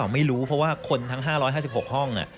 ไม่รู้เพราะว่าคนทั้ง๕๕๖ห้อง